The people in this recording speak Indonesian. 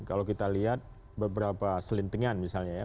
kalau kita lihat beberapa selintingan misalnya ya